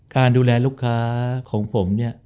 การดูแลลูกค้าของผมเนี่ย